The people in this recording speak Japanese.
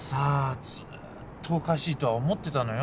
ずーっとおかしいとは思ってたのよ